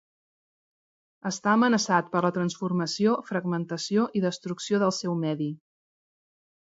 Està amenaçat per la transformació, fragmentació i destrucció del seu medi.